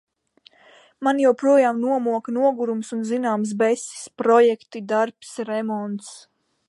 Mani joprojām nomoka nogurums un zināms besis – projekti, darbs, remonts...